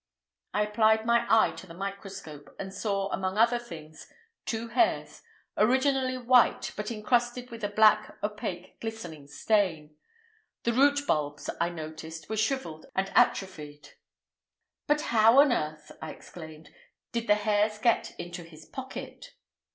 I applied my eye to the microscope, and saw, among other things, two hairs—originally white, but encrusted with a black, opaque, glistening stain. The root bulbs, I noticed, were shrivelled and atrophied. "But how on earth," I exclaimed, "did the hairs get into his pocket?"